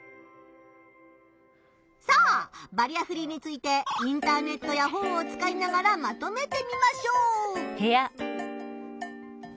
さあバリアフリーについてインターネットや本を使いながらまとめてみましょう！